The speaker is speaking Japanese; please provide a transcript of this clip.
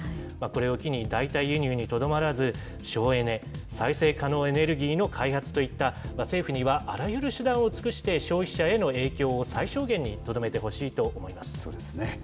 これを機に、代替輸入にとどまらず、省エネ、再生可能エネルギーの開発といった、政府にはあらゆる手段を尽くして、消費者への影響を最小限にとどめてほしいと思そうですね。